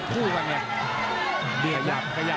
ไปเลยข้างน๊อย